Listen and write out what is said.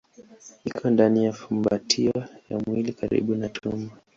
Iko ndani ya fumbatio ya mwili karibu na tumbo.